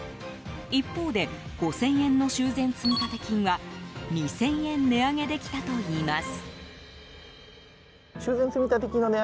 一方で５０００円の修繕積立金は２０００円値上げできたといいます。